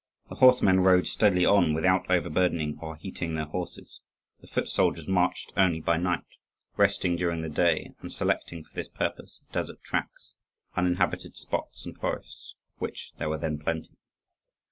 The horsemen rode steadily on without overburdening or heating their horses; the foot soldiers marched only by night, resting during the day, and selecting for this purpose desert tracts, uninhabited spots, and forests, of which there were then plenty.